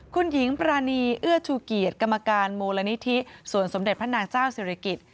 คุณหญิงปรานีเอื้อชูเกียรติกรรมการมูลนิธิส่วนสมเด็จพระนางเจ้าศิริกิจ